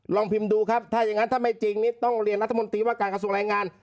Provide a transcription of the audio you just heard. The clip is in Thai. ลองพิมพ์ดูครับถ้าอย่างนั้นถ้าไม่จริงนี่ต้องเรียนรัฐมนตรีว่าการกระทรวงแรงงาน